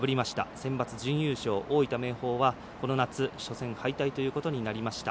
センバツ準優勝、大分、明豊はこの夏、初戦敗退ということになりました。